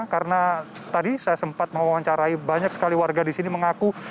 karena tadi saya sempat menguacarai banyak sekali warga di sini mengaku